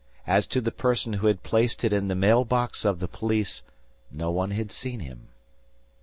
As to the person who had placed it in the mail box of the police, no one had seen him.